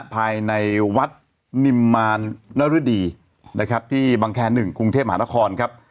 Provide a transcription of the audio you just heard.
ภายในวัดนิมมารนนรดีนะครับที่บังแคร๑กรุงเทพมหานครครับ